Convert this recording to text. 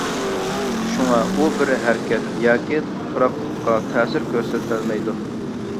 شۇڭا ئۇ بىر ھەرىكەت ياكى تۇراقلىققا تەسىر كۆرسىتەلمەيدۇ.